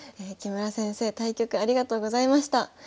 木村先生対局ありがとうございました。